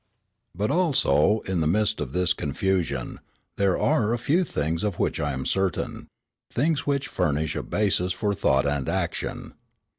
But, also, in the midst of this confusion, there are a few things of which I am certain, things which furnish a basis for thought and action.